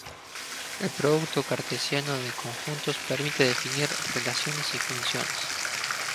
El producto cartesiano de conjuntos permite definir relaciones y funciones.